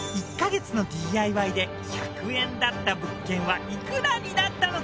１ヵ月のＤＩＹで１００円だった物件はいくらになったのか？